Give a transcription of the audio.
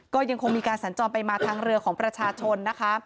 ก็ยังคงมีการสัญจรไปมาทางเรือของประชาชนนะคะ